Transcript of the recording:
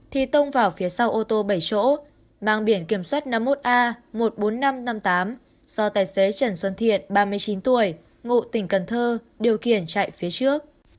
thì tông vào phía sau ô tô bảy chỗ mang biển kiểm soát năm mươi một a một mươi bốn nghìn năm trăm năm mươi tám do tài xế trần xuân thiện ba mươi chín tuổi ngụ tỉnh cần thơ điều khiển chạy phía trước